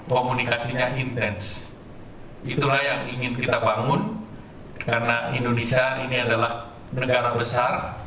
komunikasinya intens itulah yang ingin kita bangun karena indonesia ini adalah negara besar